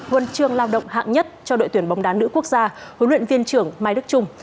huân chương lao động hạng nhất cho đội tuyển bóng đá nữ quốc gia huấn luyện viên trưởng mai đức trung